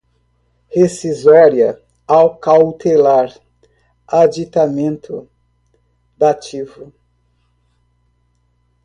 rescisória, acautelar, aditamento, dativo